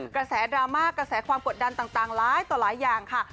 กระแสดราม่ากระแสความกดดันต่างหลายต่อหลายอย่างค่ะ